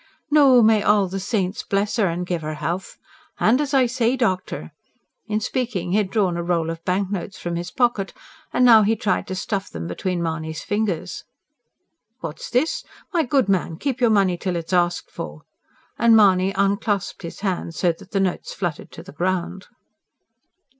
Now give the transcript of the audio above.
"No, may all the saints bless 'er and give 'er health! An' as I say, doctor...." In speaking he had drawn a roll of bank notes from his pocket, and now he tried to stuff them between Mahony's fingers. "What's this? My good man, keep your money till it's asked for!" and Mahony unclasped his hands, so that the notes fluttered to the ground.